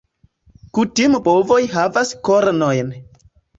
Kutime bovoj havas kornojn.